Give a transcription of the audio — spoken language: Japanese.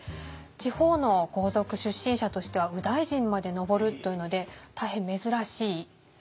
地方の豪族出身者としては右大臣まで上るというので大変珍しい出世の道を歩んだ人です。